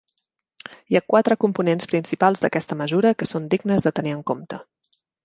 Hi ha quatre components principals d'aquesta mesura que són dignes de tenir en compte.